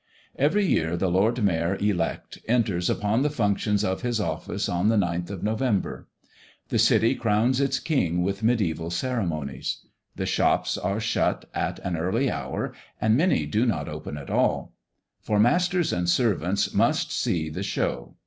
Every year the Lord Mayor elect enters upon the functions of his office on the ninth of November. The City crowns its king with mediæval ceremonies. The shops are shut at an early hour and many do not open at all; for masters and servants must see the "show."